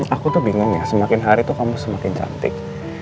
aku tuh bingung ya semakin hari tuh kamu semakin cantik